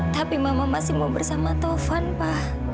tapi mama masih mau bersama taufan ma